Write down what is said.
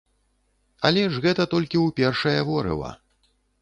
Але ж гэта толькі ў першае ворыва.